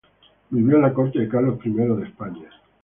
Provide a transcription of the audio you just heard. Vivió en la corte de Carlos I de España.